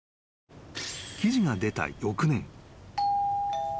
［記事が出た翌年］